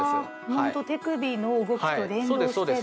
ほんと手首の動きと連動してね。